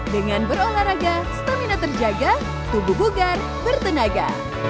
dengan berolahraga stamina terjaga tubuh bugar bertenaga